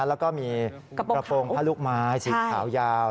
แล้วก็มีกระโปรงผ้าลูกไม้สีขาวยาว